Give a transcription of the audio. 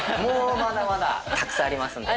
まだまだたくさんありますので。